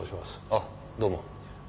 あどうも。